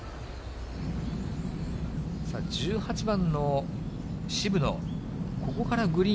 １８番の渋野。